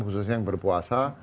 khususnya yang berpuasa